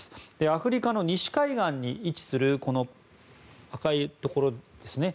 アフリカの西海岸に位置するこの赤いところですね